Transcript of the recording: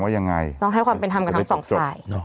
ว่ายังไงต้องให้ความเป็นธรรมกันทั้ง๒สาย